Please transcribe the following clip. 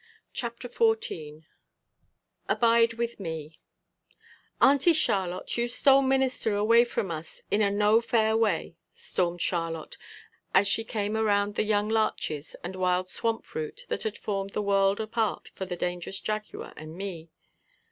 CHAPTER XIV ABIDE WITH ME "Auntie Charlotte, you stole Minister away from us in a no fair way," stormed Charlotte as she came around the young larches and wild swamp root that had formed the world apart for the dangerous Jaguar and me.